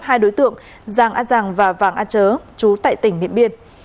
hai đối tượng giang á giang và vàng á chớ chú tệ tỉnh niệm biên